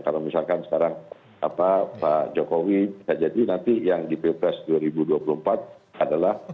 kalau misalkan sekarang pak jokowi jadi nanti yang di pilpres dua ribu dua puluh empat adalah